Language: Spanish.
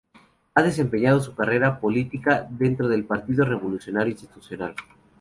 Ha desempeñado su carrera política dentro del Partido Revolucionario Institucional.